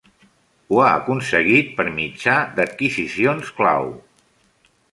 Ho ha aconseguit per mitjà d"adquisicions clau.